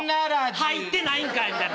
入ってないんかいみたいな。